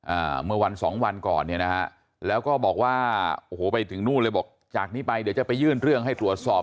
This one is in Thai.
อ่าเมื่อวันสองวันก่อนเนี่ยนะฮะแล้วก็บอกว่าโอ้โหไปถึงนู่นเลยบอกจากนี้ไปเดี๋ยวจะไปยื่นเรื่องให้ตรวจสอบ